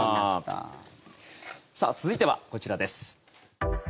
続いてはこちらです。